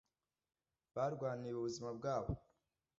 barwaniye ubuzima bwabo